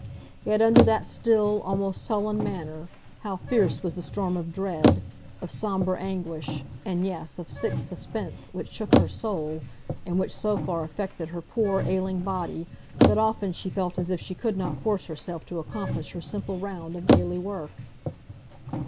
Yet under that still, almost sullen, manner, how fierce was the storm of dread, of sombre anguish, and, yes, of sick suspense, which shook her soul, and which so far affected her poor, ailing body that often she felt as if she could not force herself to accomplish her simple round of daily work.